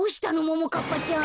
ももかっぱちゃん。